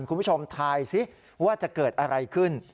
คุณผู้ชมทายสิว่าจะเกิดอะไรขึ้น